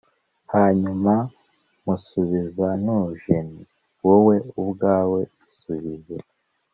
hanyuma musubiza ntuje nti wowe ubwawe isubize